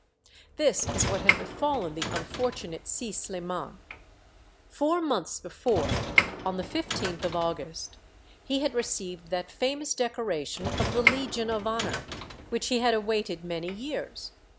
This is what had befallen the unfortunate Si SHman. Four months before, on the 15th of August, he had received that famous decoration of the Legion of Honor, which he had awaited many years.